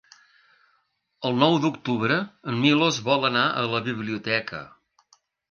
El nou d'octubre en Milos vol anar a la biblioteca.